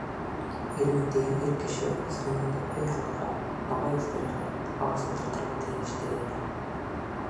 Ирмен тигән ир кеше үҙ ғүмерендә өй һалырға, малай үҫтерергә, ағас ултыртырға тейеш, тиҙәр.